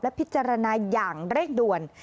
พิจารณาอย่างเร่งด่วน